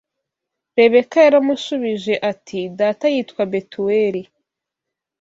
Rebeka yaramushubije ati data yitwa Betuweli